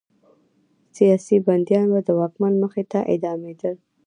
سیاسي بندیان به د واکمن مخې ته اعدامېدل.